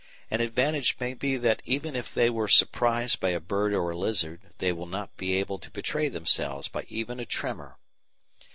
An advantage may be that even if they were surprised by a bird or a lizard, they will not be able to betray themselves by even a tremor.